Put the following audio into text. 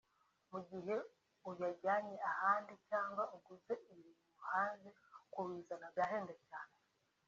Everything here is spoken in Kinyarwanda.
mu gihe uyajyanye ahandi cyangwa uguze ibintu hanze kubizana byahenda cyane”